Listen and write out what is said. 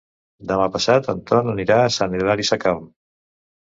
Demà passat en Ton anirà a Sant Hilari Sacalm.